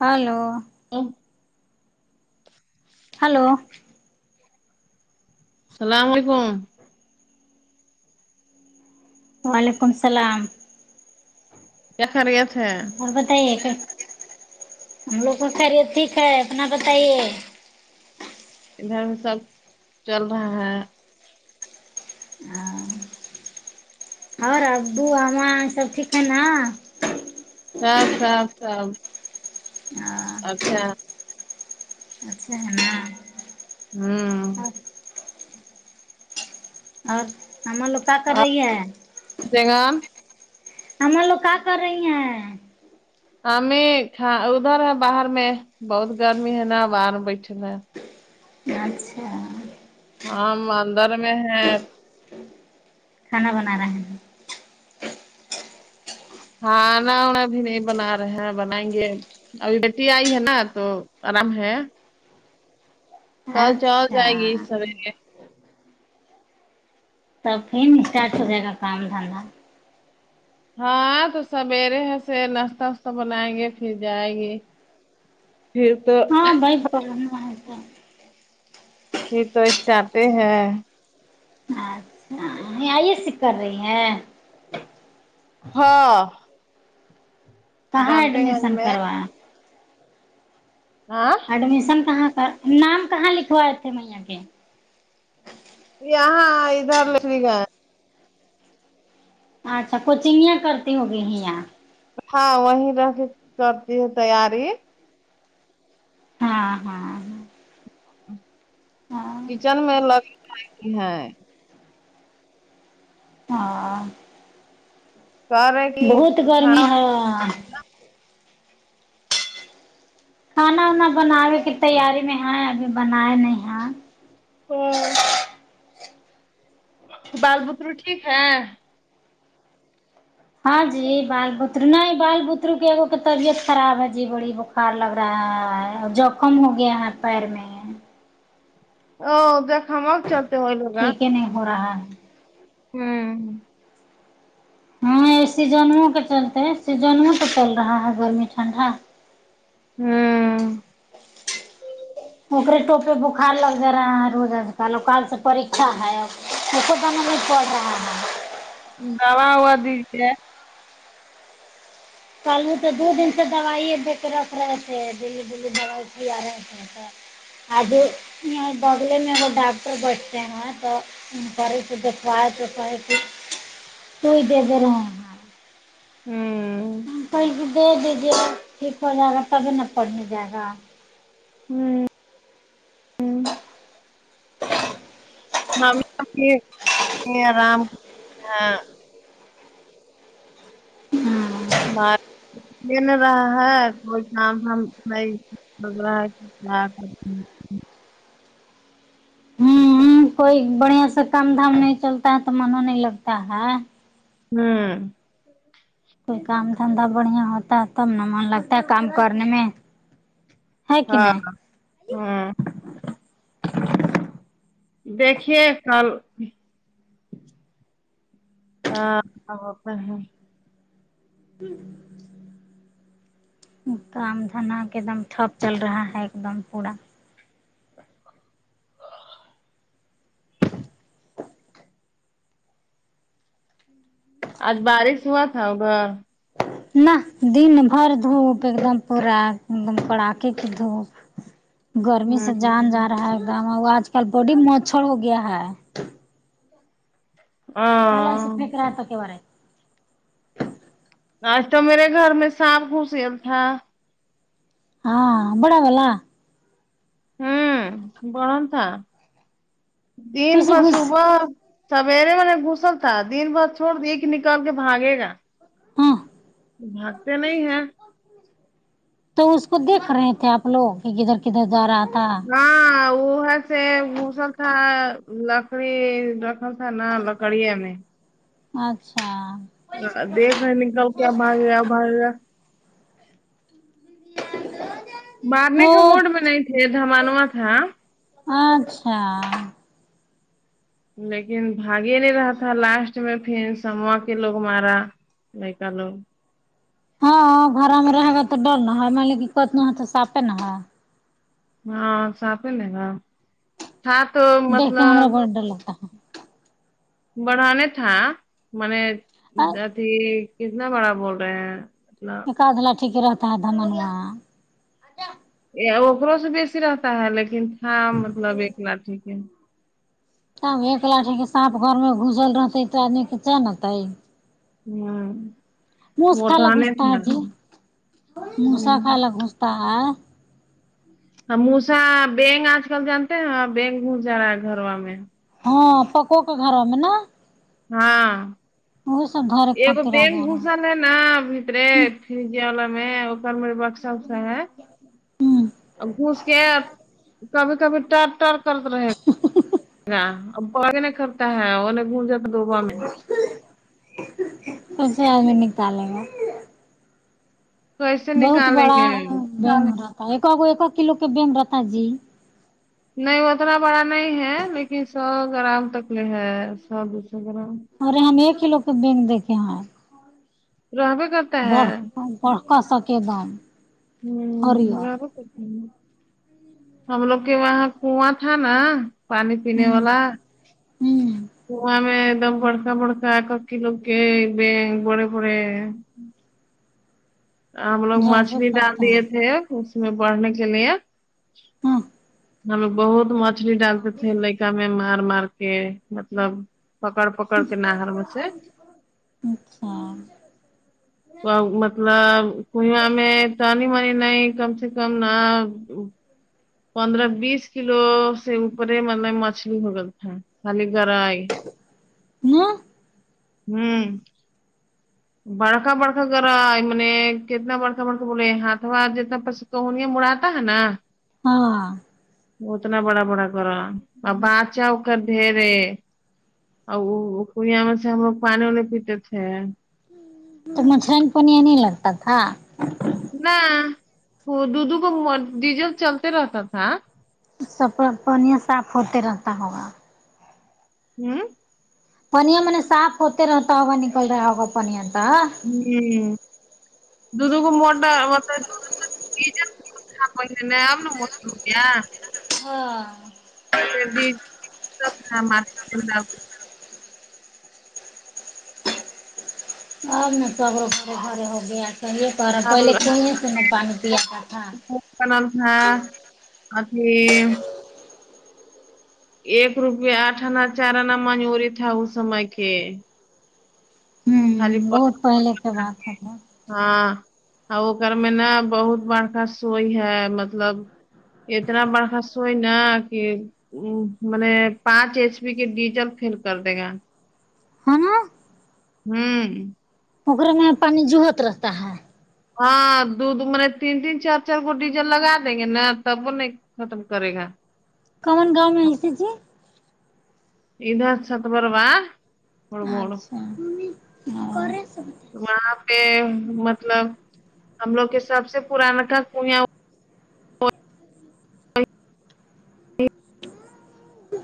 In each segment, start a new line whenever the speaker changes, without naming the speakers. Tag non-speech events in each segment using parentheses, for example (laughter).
Hello
آہ
hello
السلام علیکم
وعلیکم السلام
خیریت ہے
اور بتائیے ہم لوگ تو خیریت ٹھیک ہے اپنا بتائیے
ادھر سب چل رہا ہے
ہ اور ابو آما سب ٹھیک ہے نا
سب سب سب
ہاں
اچھا
اچھا ہے نا
ہاں
ہ اور ہمارے لوگ کیا کر رہی ہے
بیگم
ہمارے لوگ کا کر رہی ہیں
ہمیں ادھر ہے باہر میں بہت گرمی ہے نا باہر بیٹھے ہے
اچھا
ہم اندر میں ہیں
کھانا بنا رہے ہے
کھانا ونا ابھی نہیں بنا رہے ہیں بنائیں گے ابھی بٹیا آئی ہے نا تو آرام ہے کل چل
اچھا
جائے گی سویرے
تب پھر اسٹارٹ ہو جائے گا کام دھندا
ہاں تو سویرے ہے سے ناشتہ واشتہ بنائیں گے پھر جائے گی پھر تو
(unintelligible)
یہ تو اسٹارٹ ہے
اچھا آئے ایس سی کر رہی ہیں
ہاں
کہاں
ڈالٹے گنج
ایڈمیشن
میں
کروایا
ہاں
ایڈمیشن کہاں کا نام کہاں لکھوائے سمییا کے
یہاں ائزا میں لکھا یا
اچھا کوچنگیا کرتی ہوگی ہ یہاں
ہاں وہیں رہ کے کرتی ہے تیاری
ہاں ہاں ہاں
کچن میں لگ (unintelligible) ہیں
ہاں
کہ رہے کہ
بہت گرمی
کھانا
ہے ویہاں کھانا وانا بناوے کی تیاری میں ہے ابھی بنائے نہیں ہیں
ہاں بال بتر ٹھیک ہے
ہاں جی بال بترو نہیں بال بترو کے ایگ کے طبیعت خراب ہے جی بڑی ب کار لگ رہا ہے جو کم ہو گیا ہے پیر میں
(unintelligible) ا دیکھا ماگ چاہتے ہو لوگا
کے نہیں ہو رہا ہے
ہمم
ہاں اسی جنموں کے چلتے سے جنموں کا چل رہا ہے گرمی ٹھنڈا
ہمم
ارے ٹوپے بخار لگ جا رہا ہے روز آج کل اور کال سے پرکچھا ہے ا (inaudible)
دوا ہوا دیجیے
(inaudible) کل سے دو دن سے داوئ دے کے رکھ رہے تھے آج یہاں دوگلے میں ڈاکٹر بیٹھے ہیں تو (inaudible)
ہمم
کو بھی دے دیجیے ٹھیک ہو جائے گا تبھی ن پڑھ نہیں جائے گا
ہوں ہوں (unintelligible) ہم آرام
ہمم
(unintelligible) (unintelligible)
کوئی بڑھیا سے کام دھام نہیں چلتا ہے تو من نہیں لگتا ہے
ہمم
کوئی کام دھندا بڑھیا ہوتا ہے تب نہ من لگتا ہے کام کرنے میں ہے کہ
ہاں
نہیں
ہوں دیکھیے کل ہاں وہ تو ہے
ہم کام دھندہ کے ایک دم ٹپ چل رہا ہے ایک دم پورا
آج بارش بہت تھا ادھر
نہ دن بھر دھوپ ایک دم پورا ایک دم کڑا کے کی دھوپ گرمی سے جان
ہوں
جا رہا ہے ایک دم آج کل بڑی مچہر ہو گیا ہے
ہاں
(unintelligible)
آج تو میرے گھر میں سانپ گھسگیا تھا
ہاں بڑا والا
ہمم بڑا تھا دن
کیسے
بھر
گھس
صبح سویرے میں نے گھسل تھا دن بھر چھوڑ ایک نکال کے بھاگے گا
ہاں
بھاگتے نہیں ہیں
تو اس کو دیکھ رہے تھے آپ لوگ کہ کدھر کدھر جارہا تھا
ہاں وہ ہے سے موسل تھا لکڑی (unintelligible)
اچھا
دیکھ رہے نکل کے اب ایگا اب ایگا مارنے کے
تو
موڈ میں نہیں تھے دھمانوا تھا
اچھا
لیکن بھاگی نہیں رہا تھا لاسٹ میں پھر سموا کے لوگ مارا نہیں کا لو
ہاں ہاں گھرا میں رہے گا تو ڈر نہا ہے مے کتنا تو صافے نہا ہے
ہاں ساپی لے نا تھا تو
دیکھ کے
مطلب
ہمارا بہت ڈر لگتا
بڑھا نہیں تھا منے
ہے
جی کتنا بڑا بول رہے ہیں مطلب
کادلہ ٹیک رہتا ہے دمن
اکروں سے بیسی رہتا ہے لیکن تھا مطلب ایک لٹھیک ہے
تب ایک لاٹی کے سانپ گھر میں گسل رہتے ہے تو آدمی کی کیا نت
ہوں
موس
وہ تو
خالا
ہمیں
گھستا ہے
تھا
جی
ہوں
موسی خالا گھستا تا ہے
ہ موسی بینک آج کل جانتے ہیں بینک گھس جا رہا ہے گھروا میں
ہاں پککو کے گھروں میں نا
ہاں
وہ سب دھرے
یہ کو
خاطر آ
بین
جا رہا ہے۔
بھسن نا بھیترے فج والا میں (unintelligible) ار مے بکساکسا ہے (unintelligible)
ہوں
گھس کے کبھی کبھی ٹر ٹر کرت رہے ابغ (unintelligible) نہیں کرتا ہے اور گونج جاتا دوبا میں
اسے آدمی نکالے گا
کیسے
بہت
نکالیں
بڑا
گے
بیگ رہتا ایک ایک کلو کے بیگ رہتا جی
نہیں اتنا بڑا نہیں ہے لیکن سو گرام تک کے ہے سو دو سو گرام
ارے ہم ایک کلو کی بینگ دیکھے ہیں
رہو کرتے (unintelligible)
واہ اور کا سا کے بات
ہمم آپ (unintelligible) ہم لوگ کے وہاں کواں تھا نا پانی پینے والا
ہمم
کواں میں ایک دم بڑکا بڑکا کر کی لگے بڑے بڑے ہم لوگ
جاگے
مچھلی ڈال
کرتے ہیں
دیے تھے اس میں بڑھنے کے لیے
ہمم
ہم لوگ بہت مچھلی ڈالتے تھے لائکا میں مار مار کے مطلب پکڑ پکڑ کے نہر میں سے
اچھا
مطلب کواں میں تانی وانی نہیں کم سے کم نہ پندرہ بیس کلو سے اوپر مطلب مچھلی ہوگل تھا خالی گرائی
(unintelligible)
ہمم بڑکا بڑکا گا ہے نے کتنا بڑکا بڑکا بولے ہاتھ و ہاتھ جتنا تو انیں مڑاتا ہے نا
ہاں
اتنا بڑا بڑا کرا بچا ہو کر دھیرے اور وہ کڑیا میں سے ہم لوگ پانی وانی پیتے تھے
تو مچھرن پنیا نہیں لگتا تھا
نہ وہ دھو دھو کو ڈیزل چلتے رہتا تھا
پانییا صاف ہوتے رہتا ہوگا
ہمم
پنیا منے صاف ہوتے رہتا ہوگا نکل رہا ہے ہوگا پنیا تو
ہمم دو دو کو موٹا مت (unintelligible) مٹا (unintelligible) روپیا
ہاں
(unintelligible)
اب سب روڑے گھڑے ہو گیا صحیے کر رہا پہلے کہیںیں سے پانی پیا تھا (unintelligible)
نا تھا (unintelligible) ایک روپیہ آٹھانا چار آنا مجوریی تھا اوس سمئے کہ
ہوں بہت پہلے کے بات ہے تو
ہاں وہک میں نا بہت بڑکا سوئی ہے مطلب اتنا برخا س ہوئی نا کہ (unintelligible) مانے پانچ ایچ پی کے ڈیزل پہل کر دے گا
ہے نا
ہوں
پکرے میں پانی جوہت رہتا ہے (unintelligible)
ہاں دو دو تین تین چار چار گو ڈیزل لگا دیں گے نا تب وہ نہیں (unintelligible) ختم کرے گا
کمن گاؤں میں ایسے جی (unintelligible)
ا ست بروا (unintelligible)
اچھا ہاں
وہاں پہ مطلب ہم لوگ کے سب سے پرانا گھر کیا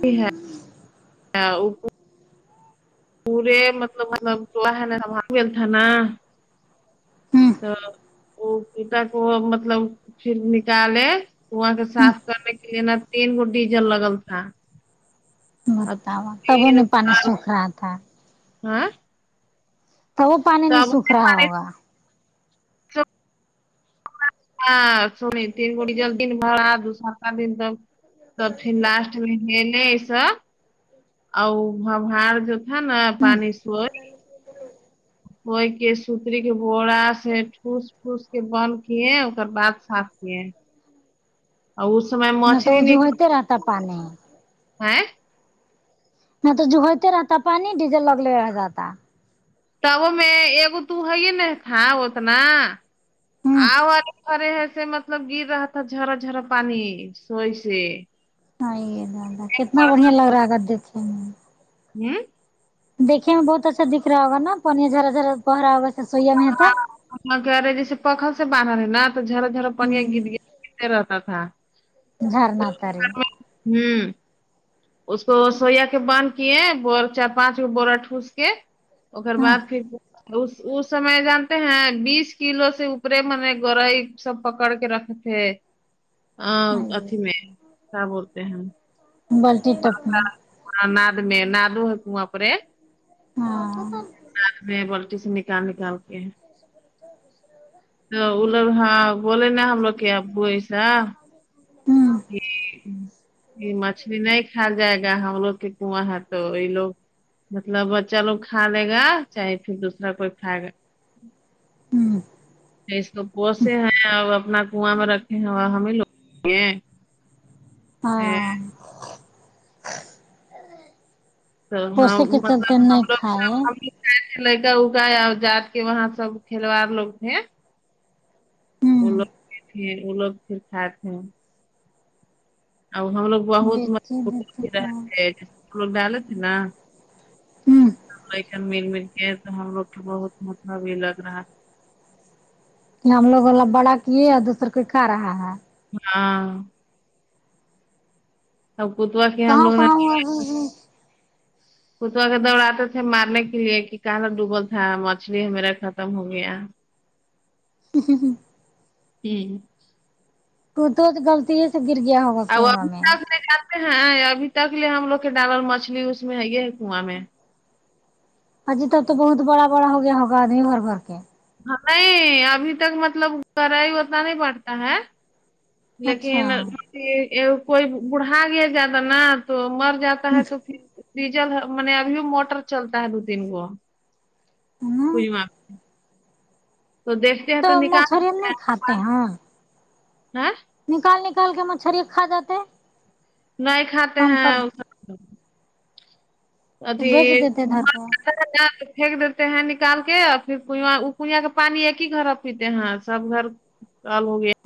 جی ہےاں (unintelligible) پورے مطلب مل تو نل تھا نا (unintelligible) تو وہ پٹا کو مطلب پھر نکالے تو وہاں کے صاف کرنے کے لیے نا تین گو ڈیزل لگل تھا اب
بتا تب
تین
انہیں پانی سوکھ رہا تھا
ہاں
تو وہ پانی نہیں
تب
سوکھ رہا ہوگا
ہاں سمل (unintelligible) تین گڑ جل دن با دو ساتا دن تو (unintelligible) تو پھر لاسٹ میں ہلے ای سا ا ببار جو ہ نا
ہ
پانی سو وہئی کے سوتری کے بوڑا سے ٹھس پھوس کے بند کے ار بعد سات کیے اور اس سمے
نہ
مھچ (unintelligible)
تو
لی
وہ
نکل
جوہتے رہتا پانی
ہ
نہ تو ج ہوتے رہتا پانی ڈیزل لگ ل رہ جاتا
تب میں ایک تو ہے ہی نہیں تھا اتنا
ہوں
آؤرے گرے ہے سے مطلب گر رہا تھا جرا جرا پانی سوئی سے
ہ ددہ کتنا بڑھیا لگ رہا ہے ا گگر دیکھنے میں (unintelligible)
ہوں
دیکے میں بہت اچھا دکھا راہا ہو گا نا پانیی یا جرا جرا بہ رہا ہوگا سویا میں تھا
ہاں جیسے پکھل سے باندر ہے نا تو جرا جھرا پنیا گر گیا (unintelligible) رہتا تھا
جہر نا تا ری
ہوں اس کو سویا کے باندھ کیے ب چار پانچ گ بورا ٹھس کے (unintelligible) ار
ہاں
بعد پھر (unintelligible) اس اس سمے جانتے ہیں بیس کلو سے اوپرے منے گورائی سب پکڑ کے رکھتے ا اکھی میں کیا بولتے ہیں
بلٹی ٹپ میں
ند میں ند آپر
ہاں
(unintelligible) رات میں بلٹی سے نکال نکال کے تو لوگ ہاں بولے نا ہم لوگ کیا اببو ایسا
ہوں
یہ مچھلی نہیں کھال جائے گا ہم لوگ کے کنواں ہے تو یہ لوگ مطلب بچہ لوگ کھا لے گا چاہے پھر دوسرا کوئی کھائے گا
ہوں
اس کو پسے ہیں اور اپنا کنواں میں رکھ (unintelligible) ہاں ہمیں لو ہیں
ہاں
تو ہم
پوسے کے
مطلب
چلتے
ہم
نہیں
لوگ سب
کھائے
ہم لگا اگا جاات کے وہاں سب کھلوڑ لوگ تھ وہ
ہوں
لوگ تھے وہ لوگ پھر کھات تھے ا ہم لوگ بہت (unintelligible) م
بیچے دیتے تو ہوں
رہ لوگ ڈال تھے نا لن مل مل کے تو ہم لوگ متا وی لگ رہا
کہ ہم لوگب بڑا کیے دوسر کوئی کا رہا ہے
ہاں اب کتوا کے ہم
کہاں
لوگ نے
کہاں ہوا
کتوا کے دوڑاتے تھے مارنے کے لیے کہ کہاں ڈوبل تھا مچھلی میرا ختم ہو گیا
(inaudible)
ہوں
تو تو غط ہی سے گر گیا ہو
ا وہ ابھی تک لے جاتے ہیں ابھی تک لے ہم لوگ کے ڈالل مچھلی اس میں ہے یہ ہے کنواں میں
ہاں جی تب تو بہت بڑا بڑا ہو گیا ہوگا آدمی ہھر بھر کے
نہیں ابھی تک مطلب گرائی اتنا نہیں پڑتا ہے
اچھا
لیکن م کوئی بڑھا گیا زیادہ نا تو مر جاتا تو پھر ڈیزل م ابھی بھی موٹر چلتا ہے دو تین گو
ہمم
پ تو دیکھتے ہیں تو نکال
مچھری ہم نہیں کھاتے
(inaudible)
ہیں
ہاں
نکال نکال کے مچھر کھا جاتے
نہیں کھاتے
کم
ہیں
کر تو
ادھی
بیچ دیتے دھر کو
پنیک دیتے ہیں نکال کے پھر ک کویاں کے پانی ہے کہ گھر پیتے ہیںاں سب گھر کال ہو گیا